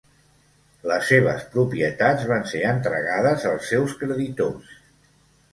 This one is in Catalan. Les seves propietats van ser entregades als seus creditors.